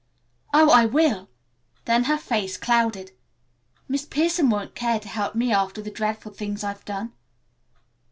"Oh, I will!" Then her face clouded. "Miss Pierson won't care to help me after the dreadful things I've done."